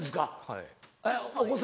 はい。